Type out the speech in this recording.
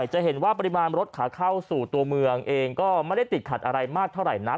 จะเห็นว่าปริมาณรถขาเข้าสู่ตัวเมืองเองก็ไม่ได้ติดขัดอะไรมากเท่าไหร่นัก